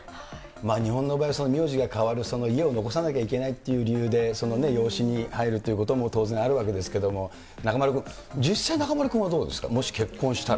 日本の場合は、名字が変わる、家を残さなきゃいけないという理由で、養子に入るということも当然あるわけですけれども、中丸君、実際中丸君はどうですか、もし結婚したら。